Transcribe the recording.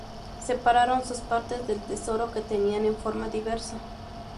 Separaron sus partes del tesoro que tenían en forma diversa.